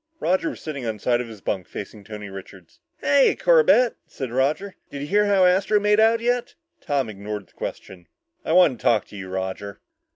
Roger was sitting on the side of his bunk facing Tony Richards. "Hiya, Corbett," said Roger, "did you hear how Astro made out yet?" Tom ignored the question. "I want to talk to you, Roger."